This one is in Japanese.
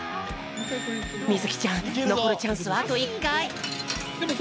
みずきちゃんのこるチャンスはあと１かい。